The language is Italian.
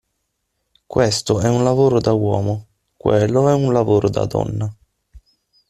Questo è un lavoro da uomo, quello è un lavoro da donna.